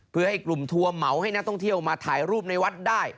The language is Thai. เพื่อให้กลุ่มทัวร์เหมาให้นักท่องเที่ยวมาถ่ายรูปในวัดได้